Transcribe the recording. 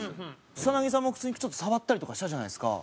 草さんも普通にちょっと触ったりとかしたじゃないですか。